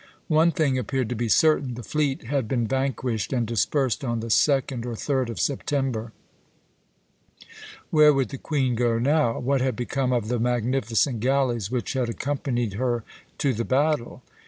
One thing appeared to be certain the fleet had been vanquished and dispersed on the 2d or 3d of September. Where would the Queen go now? What had become of the magnificent galleys which had accompanied her to the battle?